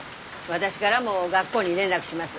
私がらも学校に連絡します。